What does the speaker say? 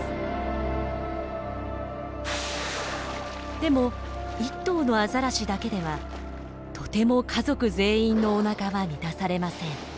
でも１頭のアザラシだけではとても家族全員のおなかは満たされません。